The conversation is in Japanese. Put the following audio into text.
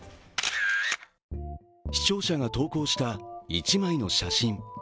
視聴者が投稿した１枚の写真。